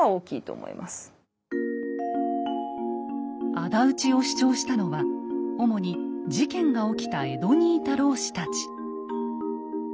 あだ討ちを主張したのは主に事件が起きた江戸にいた浪士たち。